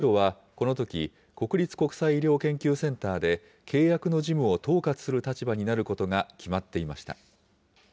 係長はこのとき、国立国際医療研究センターで、契約の事務を統括する立場になることが決まっていました。